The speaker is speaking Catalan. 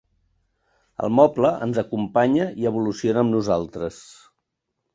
El moble ens acompanya i evoluciona amb nosaltres.